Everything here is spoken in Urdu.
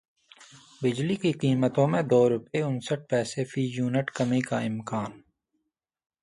بجلی کی قیمتوں میں دو روپے انسٹھ پیسے فی یونٹ کمی کا امکان